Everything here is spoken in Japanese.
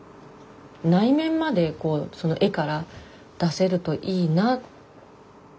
内面まで絵から出せるといいな。